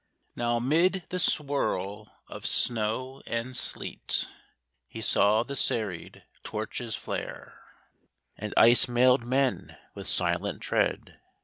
Now — 'mid the swirl of snow and sleet, He saw the serried torches flare, And ice mailed men with silent tread.